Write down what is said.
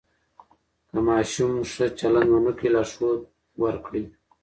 که ماشوم ښه چلند ونه کړي، لارښود ورکړئ.